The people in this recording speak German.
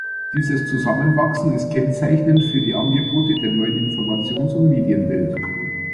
Dieses Zusammenwachsen ist kennzeichnend für die Angebote der neuen Informations- und Medienwelt.